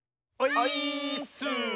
オイーッス！